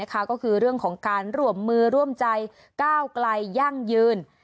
ก็คือเรื่องของการร่วมมือร่วมใจก้าวไกลยั่งยืน